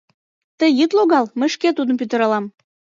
— Тый ит логал, мый шке тудым пӱтыралам!